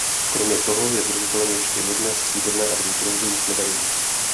Kromě toho je držitelem ještě jedné stříbrné a dvou bronzových medailí.